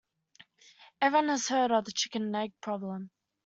Everyone has heard of the chicken and egg problem.